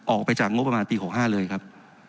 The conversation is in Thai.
ออกไปจากงบประมาณปี๖๕เลยครับ